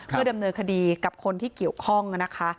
เพื่อดำเนินคดีกับคนที่เกี่ยวข้องนะคะ